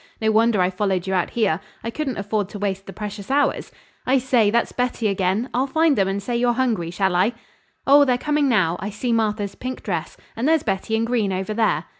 No wonder I followed you out here. I couldn't afford to waste the precious hours. I say! That's Betty again! I'll find them and say you're hungry, shall I?" "Oh, they're coming now. I see Martha's pink dress, and there's Betty in green over there."